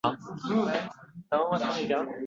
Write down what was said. Media hamkorlikng